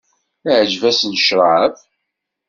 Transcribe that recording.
Iεǧeb-asen ccrab?